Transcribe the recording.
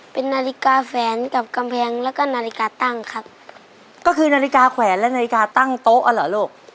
เป็นนาฬิกาแฝนกับกำแพงแล้วก็นาฬิกาตั้งครับก็คือนาฬิกาแขวนและนาฬิกาตั้งโต๊ะอ่ะเหรอลูก